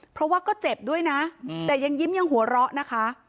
เพราะว่าก็เจ็บด้วยนะแต่ยังยิ้มยังหัวเราะนะคะ